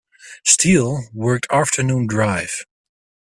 Steele worked afternoon drive.